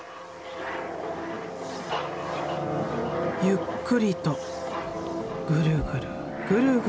ゆっくりとぐるぐるぐるぐる。